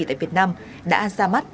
tại việt nam đã ra mắt